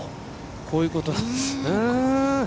こういうことなんです。